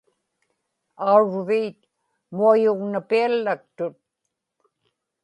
aurviit muayugnapiallaktut